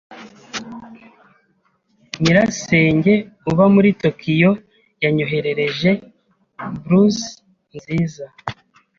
Nyirasenge uba muri Tokiyo, yanyoherereje blus nziza.